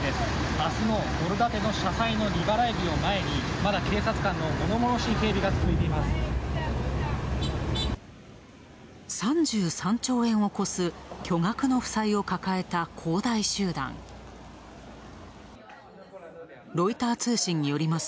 明日の社債の未払い日を前にまだ警察官のものものしい警備が続いています。